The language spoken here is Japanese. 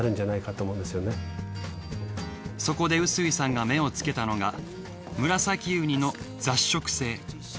そこで臼井さんが目をつけたのがムラサキウニの雑食性。